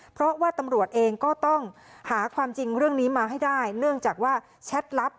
เพราะว่าตำรวจเองก็ต้องหาความจริงเรื่องนี้มาให้ได้เนื่องจากว่าแชทลับ